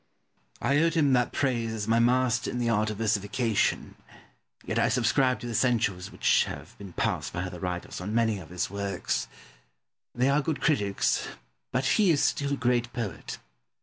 Pope. I owed him that praise as my master in the art of versification, yet I subscribe to the censures which have been passed by other writers on many of his works. They are good critics, but he is still a great poet.